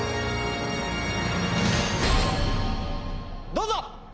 どうぞ！